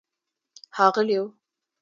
ښاغلیو